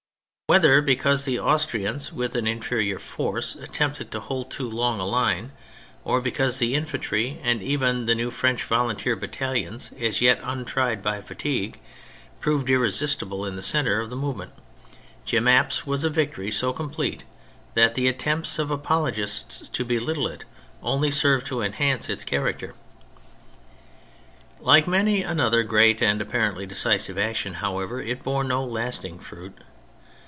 Whether because the Austrians, with an inferior force, attempted to hold too long a line, or because the infantry and even the new French volunteer battalions, as yet untried by fatigue, proved irresistible in the centre of the movement, Jemappes was a victory so complete that the attempts of apologists to belittle it only serve to en hance its character. Like many another great and apparently decisive action, however, it bore no lasting fruit.